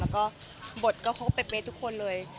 แล้วก็บทเขาก็เปรี้ยบเปรี้ยบทุกคนเลย